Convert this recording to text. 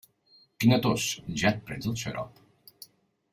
Quina tos, ja et prens el xarop?